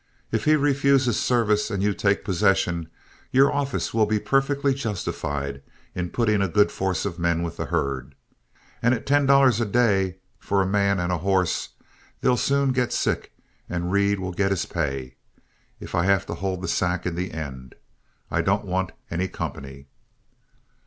If he refuses service and you take possession, your office will be perfectly justified in putting a good force of men with the herd. And at ten dollars a day for a man and horse, they'll soon get sick and Reed will get his pay. If I have to hold the sack in the end, I don't want any company."